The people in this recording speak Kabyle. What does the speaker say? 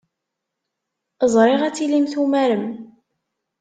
Ẓriɣ ad tilim tumarem.